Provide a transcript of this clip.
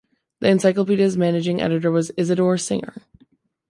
The encyclopedia's managing editor was Isidore Singer.